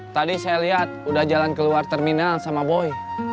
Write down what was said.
tadi saya lihat udah jalan keluar terminal sama boy